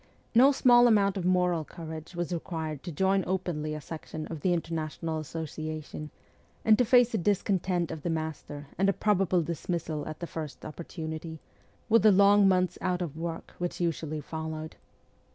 No small amount of moral courage was required to join openly a section of the Interna tional Association, and to face the discontent of the master and a probable dismissal at the first opportunity, with the long months out of work which usually followed.